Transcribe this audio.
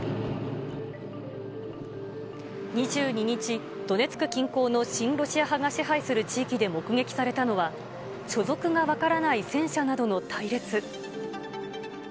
２２日、ドネツク近郊の親ロシア派が支配する地域で目撃されたのは、所属が分からない戦車などの隊列。